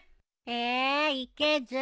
えーいけず。